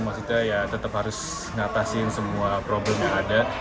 maksudnya ya tetap harus ngatasin semua problem yang ada